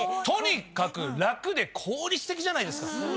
とにかく楽で効率的じゃないですか。